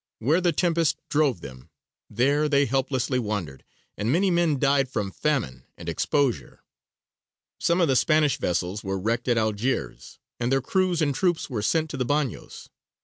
Where the tempest drove them, there they helplessly wandered, and many men died from famine and exposure. Some of the Spanish vessels were wrecked at Algiers, and their crews and troops were sent to the bagnios.